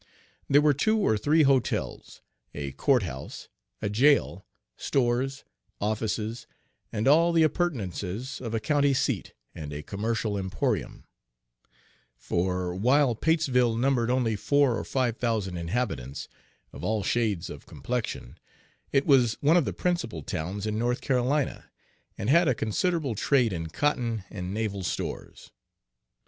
There were two or three hotels, a court house, a jail, stores, offices, and all the appurtenances of a county seat and a commercial emporium; for while Patesville numbered only four or five thousand inhabitants, of all shades of complexion, it was one of the principal towns in North Carolina, and had a considerable Page 4 trade in cotton and naval stores.